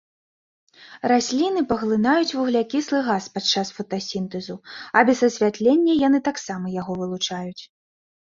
Расліны паглынаюць вуглякіслы газ падчас фотасінтэзу, а без асвятлення яны таксама яго вылучаюць.